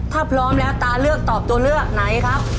ถ้าพร้อมแล้วตาเลือกตอบตัวเลือกไหนครับ